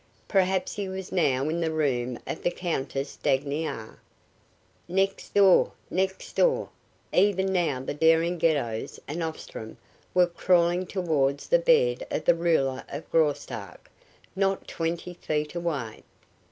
Perhaps he was now in the room of the Countess Dagniar. Next door! Next door! Even now the daring Geddos and Ostrom were crawling towards the bed of the ruler of Graustark, not twenty feet away.